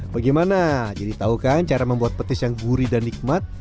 bagaimana jadi tahu kan cara membuat petis yang gurih dan nikmat